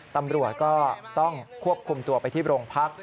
ตำรวจก็ต้องควบคุมตัวไปที่โรงพัก